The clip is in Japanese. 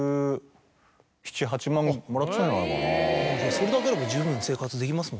それだけあれば十分生活できますもんね。